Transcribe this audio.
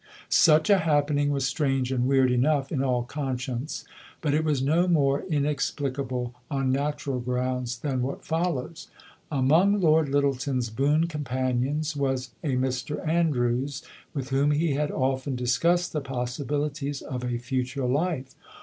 Such a happening was strange and weird enough in all conscience; but it was no more inexplicable on natural grounds than what follows. Among Lord Lyttelton's boon companions was a Mr Andrews, with whom he had often discussed the possibilities of a future life.